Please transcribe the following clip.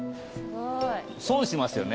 損しますよね。